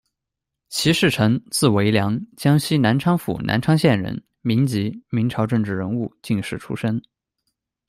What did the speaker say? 齐世臣，字惟良，江西南昌府南昌县人，民籍，明朝政治人物、进士出身。